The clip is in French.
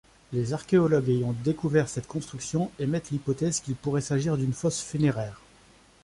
Les archéologues ayant découvert cette construction émettent l'hypothèse qu'il pourrait s'agir d'une fosse funéraire.